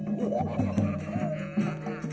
sebelumnya mereka berpengalaman untuk mencari jati dirinya